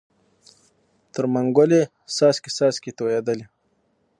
تر منګول یې څاڅکی څاڅکی تویېدلې